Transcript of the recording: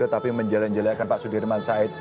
tetapi menjelek jelekkan pak sudirman said